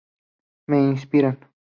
Me inspiran.